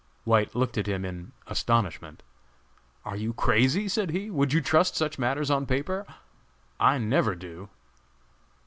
White looked at him in astonishment. "Are you crazy?" said he; "would you trust such matters on paper? I never do."